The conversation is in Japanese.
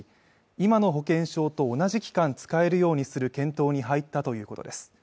今の保険証と同じ期間使えるようにする検討に入ったということです